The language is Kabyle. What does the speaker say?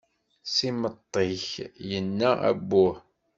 S imeṭṭi-ik yenna abbuh.